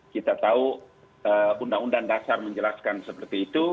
kita tahu undang undang dasar menjelaskan seperti itu